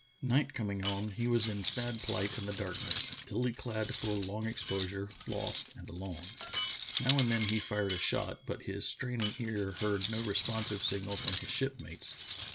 Night com ing on, he was in sad plight in the darkness, illy clad for long exposure, lost and alone. Now and then he fired a shot, but his straining ears heard no responsive signal from his shipmates.